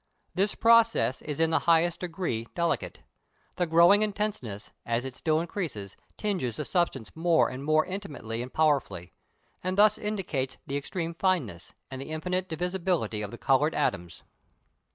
This process is in the highest degree delicate; the growing intenseness, as it still increases, tinges the substance more and more intimately and powerfully, and thus indicates the extreme fineness, and the infinite divisibility of the coloured atoms.